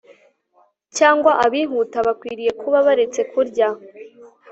cyangwa abihuta bakwiriye kuba baretse kurya